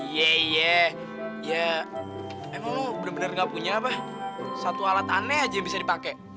iya iya ya emang lo bener bener nggak punya apa satu alat aneh aja yang bisa dipakai